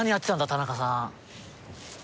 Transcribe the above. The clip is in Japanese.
田中さん。